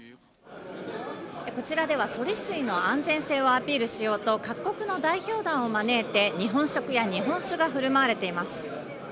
こちらでは処理水の安全性をアピールしようと各国の代表団を招いて、日本食や日本酒が振る舞われています。